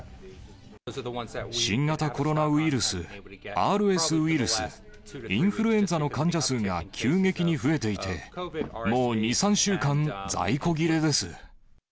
新型コロナウイルス、ＲＳウイルス、インフルエンザの患者数が、急激に増えていて、もう２、３週間、在庫切れです。